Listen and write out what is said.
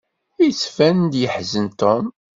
Yettban-d yeḥzen Tom.